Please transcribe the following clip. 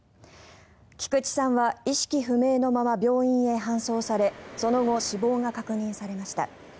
菊池さんは意識不明のまま病院へ搬送されその後、死亡が確認されました。